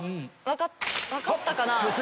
分かったかなぁ。